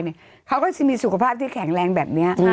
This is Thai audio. ชงภาพในภายในแก่แข็งแรงแบบนี้